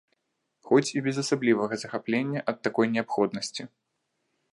Хоць і без асаблівага захаплення ад такой неабходнасці.